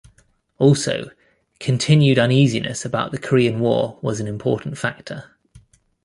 Also, continued uneasiness about the Korean War was an important factor.